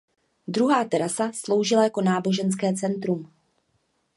Druhá terasa sloužila jako náboženské centrum.